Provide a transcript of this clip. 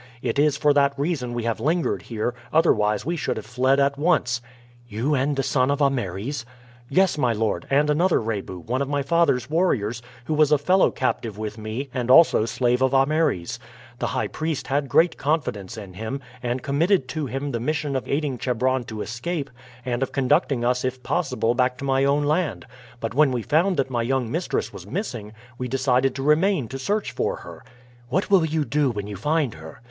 It is for that reason we have lingered here, otherwise we should have fled at once." "You and the son of Ameres?" "Yes, my lord, and another Rebu, one of my father's warriors, who was a fellow captive with me, and also slave of Ameres. The high priest had great confidence in him, and committed to him the mission of aiding Chebron to escape and of conducting us if possible back to my own land; but when we found that my young mistress was missing we decided to remain to search for her." "What will you do when you find her?"